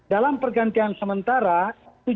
dalam pergantian sementara itu